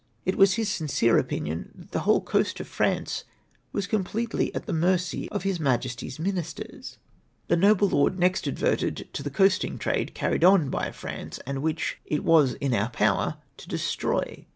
It was his sincere opinion, that the whole coast of France was com pletely at the mercy of His Majesty's ministers. " The noble lord next adverted to the coasting trade carried on by France, and which it w^as in our power to destroy.